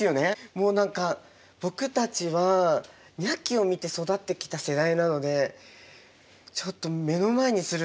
もう何か僕たちは「ニャッキ！」を見て育ってきた世代なのでちょっと目の前にするとすごいんですけど。